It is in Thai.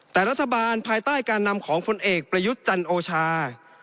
แต่รัฐบาลภายใต้การนำของผลเอกประยุทธ์จันโอชา